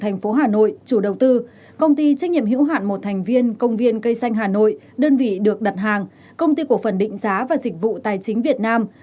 sáu nguyễn thị ngọc lâm nguyên thẩm định viên công ty cổ phần định giá và dịch vụ tài chính việt nam